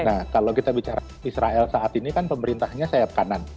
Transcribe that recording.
nah kalau kita bicara israel saat ini kan pemerintahnya sayap kanan